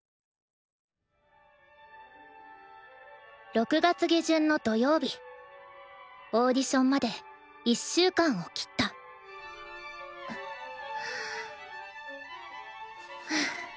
６月下旬の土曜日オーディションまで１週間を切ったふう。